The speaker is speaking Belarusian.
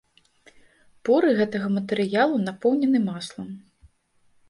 Поры гэтага матэрыялу напоўнены маслам.